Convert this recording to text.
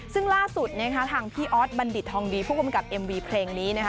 ซึ่งล่าสุดนะคะทางพี่ออสบัณฑิตทองดีผู้กำกับเอ็มวีเพลงนี้นะคะ